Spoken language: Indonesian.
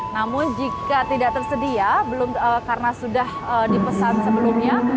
namun jika tidak tersedia belum karena sudah dipesan sebelumnya